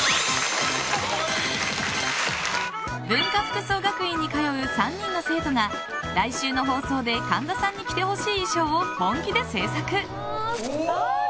文化服装学院に通う３人の生徒が、来週の放送で神田さんに着てほしい衣装を本気で制作。